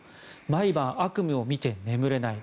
毎晩悪夢を見て眠れない。